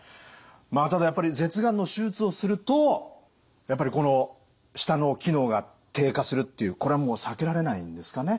ただやっぱり舌がんの手術をするとやっぱりこの舌の機能が低下するっていうこれはもう避けられないんですかね？